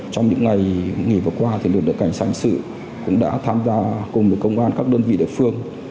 trong những ngày nghỉ vừa qua lực lượng cảnh sát hình sự cũng đã tham gia cùng với công an các đơn vị địa phương